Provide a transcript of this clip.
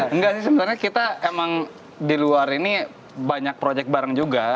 enggak sih sebenarnya kita emang di luar ini banyak proyek bareng juga